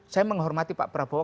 saya menghormati pak prabowo